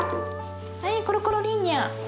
はいコロコロリーニャ。